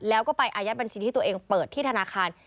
แล้วก็ไปอายัดบัญชีที่ตัวเองเปิดที่ธนาคาร